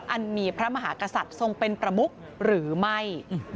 อันมีพระมหากษัตริย์ทรงเป็นประมุกหรือไม่